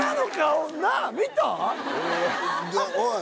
おい！